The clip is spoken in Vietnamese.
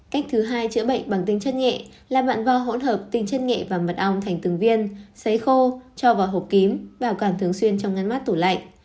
cách thứ hai chữa bệnh bằng tinh chất nghệ là bạn vào hỗn hợp tinh chất nghệ và mặt ong thành từng viên xấy khô cho vào hộp kím bảo quản thường xuyên trong ngăn mát tủ lạnh